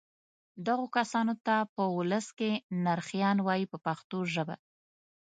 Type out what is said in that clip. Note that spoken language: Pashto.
دغو کسانو ته په ولس کې نرخیان وایي په پښتو ژبه.